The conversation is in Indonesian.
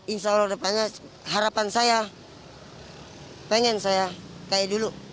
insya allah depannya harapan saya pengen saya kayak dulu